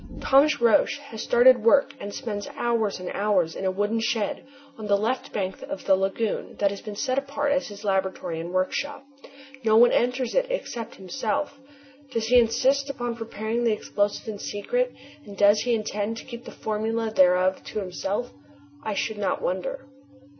Thomas Roch has started work and spends hours and hours in a wooden shed on the left bank of the lagoon that has been set apart as his laboratory and workshop. No one enters it except himself. Does he insist upon preparing the explosive in secret and does he intend to keep the formula thereof to himself? I should not wonder.